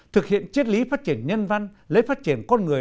thực hiện triết lý phát triển nhân văn lấy phát triển con người